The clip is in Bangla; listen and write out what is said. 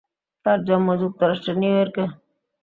তার জন্ম যুক্তরাষ্ট্রের নিউ ইয়র্কে।